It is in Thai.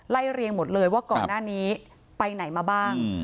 เรียงหมดเลยว่าก่อนหน้านี้ไปไหนมาบ้าง